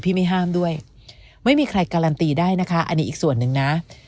ไม่ห้ามด้วยไม่มีใครการันตีได้นะคะอันนี้อีกส่วนหนึ่งนะ